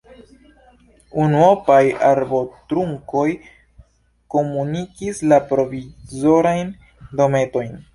Unuopaj arbotrunkoj komunikis la provizorajn dometojn.